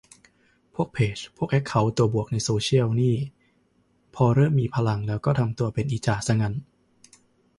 พวกเพจ พวกแอคเคาท์ตัวบวกในโซเชียลนี่พอเริ่มมีพลังแล้วก็ทำตัวเป็นอีจ่าซะงั้น